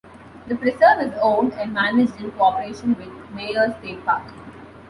The preserve is owned and managed in cooperation with Mayer State Park.